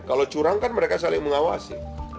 kalau curang kan mereka saling mengawasi